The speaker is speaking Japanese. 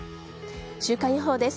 週間予報です。